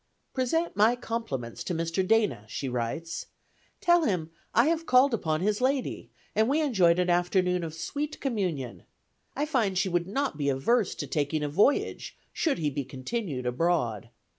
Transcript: "Present my compliments to Mr. Dana," she writes. "Tell him I have called upon his lady, and we enjoyed an afternoon of sweet communion. I find she would not be averse to taking a voyage, should he be continued abroad.